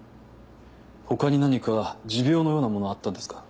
他に何か持病のようなものはあったんですか？